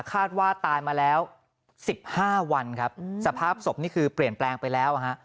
คาดว่าตายมาแล้ว๑๕วันครับสภาพศพนี่คือเปลี่ยนแปลงไปแล้วฮะ